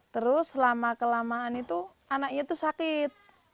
terus selama kelamaan itu anaknya itu sakit